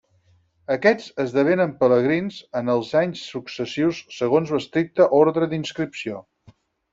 Aquests esdevenen Pelegrins en els anys successius segons l'estricte ordre d'inscripció.